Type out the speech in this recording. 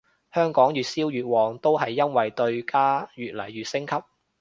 香港越燒越旺都係因為對家越嚟越升級